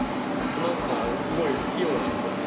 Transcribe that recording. なんかすごい器用なんですよね。